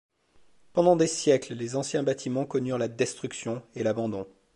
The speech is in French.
Pendant des siècles, les anciens bâtiments connurent la destruction et l'abandon.